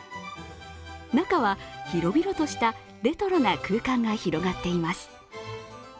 中は、広々としたレトロな空間が広がっています。